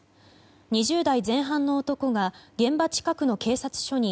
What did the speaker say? ２０代前半の男が現場近くの警察署に